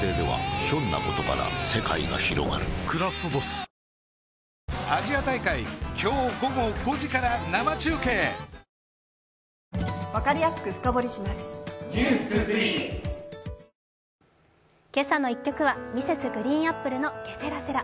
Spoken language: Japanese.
「クラフトボス」「けさの１曲」はＭｒｓ．ＧＲＥＥＮＡＰＰＬＥの「ケセラセラ」。